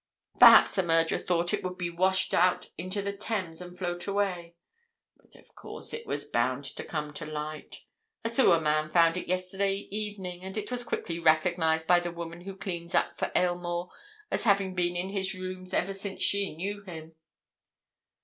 Perhaps the murderer thought it would be washed out into the Thames and float away. But, of course, it was bound to come to light. A sewer man found it yesterday evening, and it was quickly recognized by the woman who cleans up for Aylmore as having been in his rooms ever since she knew them."